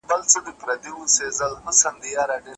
زه به ستا پرشونډو ګرځم ته به زما غزلي لولې